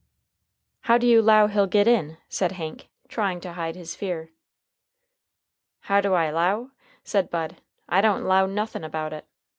"How do you 'low he'll get in?" said Hank, trying to hide his fear. "How do I 'low?" said Bud. "I don't 'low nothin' about it.